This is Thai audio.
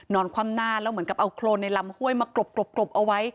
นอนความน่าแล้วเหมือนกับเอาโครนในลำห้วยมากรบกรบกรบเอาไว้